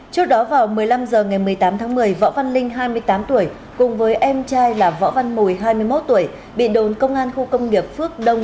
trước đó vào một mươi năm h ngày một mươi tám tháng một mươi võ văn linh hai mươi tám tuổi cùng với em trai là võ văn mùi hai mươi một tuổi bị đồn công an khu công nghiệp phước đông